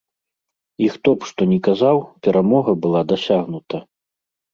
І хто б што ні казаў, перамога была дасягнута.